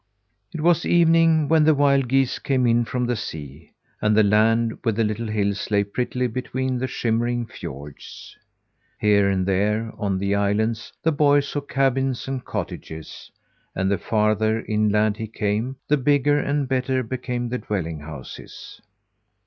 It was evening when the wild geese came in from the sea; and the land with the little hills lay prettily between the shimmering fiords. Here and there, on the islands, the boy saw cabins and cottages; and the farther inland he came, the bigger and better became the dwelling houses.